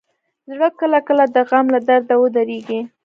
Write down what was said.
زړه کله کله د غم له درده ودریږي.